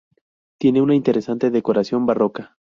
Tiene una interesante decoración barroca.